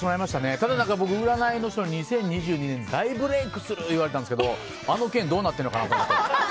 ただ、僕、占いの人に２０２２年に大ブレークするって言われたんですけどあの件どうなってるのかなと思って。